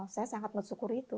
saya sangat bersyukur itu